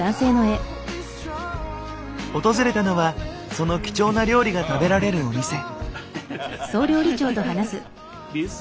訪れたのはその貴重な料理が食べられるお店。